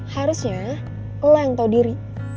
harusnya lo yang tau diri